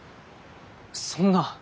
そんな。